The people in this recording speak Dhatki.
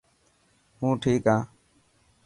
هون ٺيڪ هان.